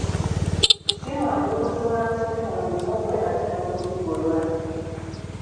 Ssi mwangu kuzuula nsobi mu mulimu gwe ate n'okuzigolola.